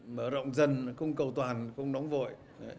mở rộng dần không cầu toàn không đóng vội